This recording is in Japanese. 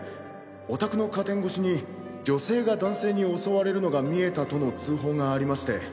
お宅のカーテン越しに女性が男性に襲われるのが見えたとの通報がありまして。